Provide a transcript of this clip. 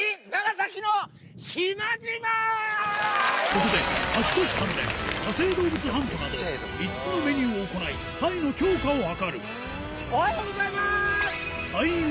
ここで足腰鍛錬野生動物ハントなど５つのメニューを行い隊の強化を図るおはようございます！